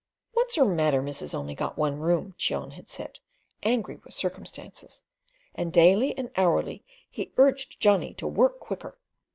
"What's 'er matter, missus only got one room?" Cheon had said, angry with circumstances, and daily and hourly he urged Johnny to work quicker.